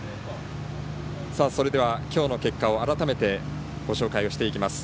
それではきょうの結果を改めてご紹介していきます。